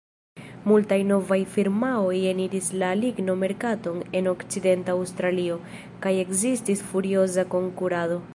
Multaj novaj firmaoj eniris la ligno-merkaton en Okcidenta Aŭstralio, kaj ekzistis furioza konkurado.